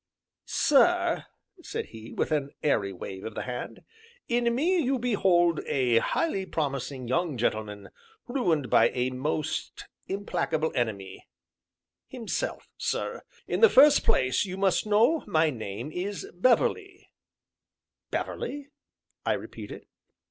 "Sir," said he, with an airy wave of the hand, "in me you behold a highly promising young gentleman ruined by a most implacable enemy himself, sir. In the first place you must know my name is Beverley " "Beverley?" I repeated.